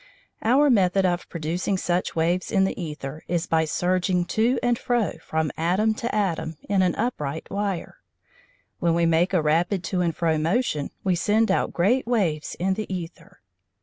Our method of producing such waves in the æther is by surging to and fro from atom to atom in an upright wire. When we make a rapid to and fro motion we send out great waves in the æther.